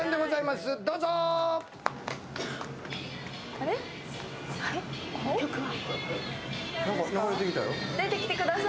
あれっ、この曲は。